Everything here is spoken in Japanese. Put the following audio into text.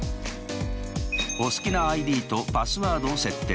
お好きなＩＤとパスワードを設定。